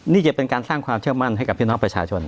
นี่จะเป็นการสร้างความเชื่อมั่นให้กับพี่น้องประชาชน